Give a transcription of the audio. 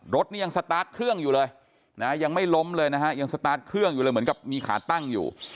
รถนี่ยังสตาร์ทเครื่องอยู่เลยนะยังไม่ล้มเลยนะฮะยังสตาร์ทเครื่องอยู่เลยเหมือนกับมีขาตั้งอยู่